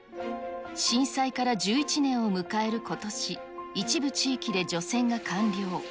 震災から１１年を迎えることし、一部地域で除染が完了。